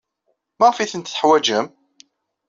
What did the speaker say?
Maɣef ay tent-teḥwajem?